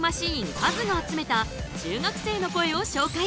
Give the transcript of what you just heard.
ＫＡＺＵが集めた中学生の声を紹介！